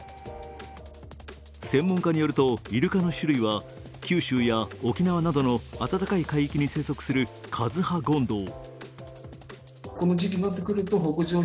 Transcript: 専門家によると、イルカの種類は九州や沖縄などの暖かい海域に生息するカズハゴンドウ。